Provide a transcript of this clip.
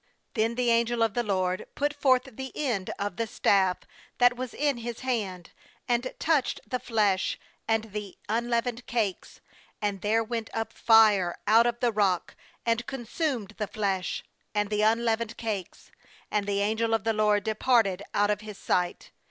^ Then the angel of the LORD put forth the end of the staff that was in his hand, and touched the flesh and the unleavened cakes; and there went up fire out of the rock, and consumed the flesh, and the unleavened cakes: and thfrgiigel of the LORD departed out of his sight.